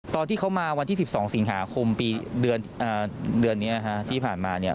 ตอนที่เขามาวันที่๑๒สิงหาคมปีเดือนนี้ที่ผ่านมาเนี่ย